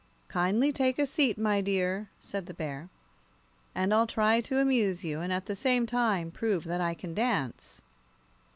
"Kindly take a seat, my dear," said the bear, "and I'll try to amuse you, and at the same time prove that I can dance."